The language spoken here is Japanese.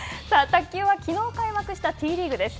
卓球はきのう開幕したＴリーグです。